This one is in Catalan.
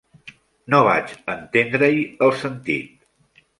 No vaig entendre-hi el sentit.